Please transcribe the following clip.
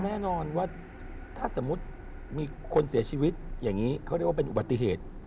แน่นอนว่าถ้าสมมุติมีคนเสียชีวิตอย่างนี้เขาเรียกว่าเป็นอุบัติเหตุ